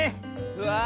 うわ！